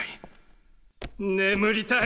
眠りたい！